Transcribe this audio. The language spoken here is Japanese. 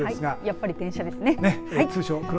やっぱり電車ですね。